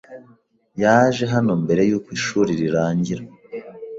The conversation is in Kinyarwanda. Yaje hano mbere yuko ishuri rirangira.